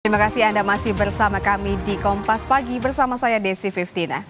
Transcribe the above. terima kasih anda masih bersama kami di kompas pagi bersama saya desi fistina